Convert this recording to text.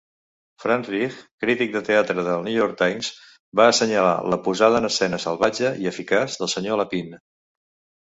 Frank Rich, crític de teatre del "New York Times", va assenyalar "la posada en escena salvatge i eficaç del Sr. Lapine".